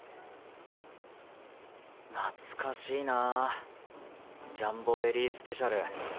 ・懐かしいな・ジャンボベリースペシャル。